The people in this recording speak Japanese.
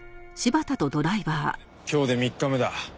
今日で３日目だ。